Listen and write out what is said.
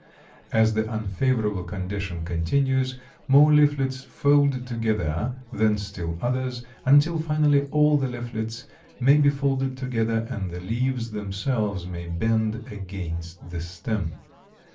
As the unfavorable condition continues, more leaflets fold together, then still others, until finally all the leaflets may be folded together, and the leaves themselves may bend against the stem.